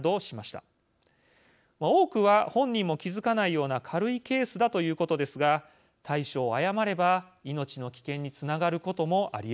多くは本人も気付かないような軽いケースだということですが対処を誤れば命の危険につながることもありえます。